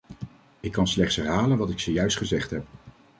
Ik kan slechts herhalen wat ik zojuist gezegd heb.